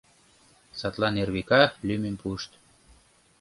Садлан Эрвика лӱмым пуышт.